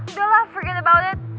udah lah forget about it